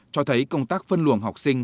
cho thấy công tác phân luồng học sinh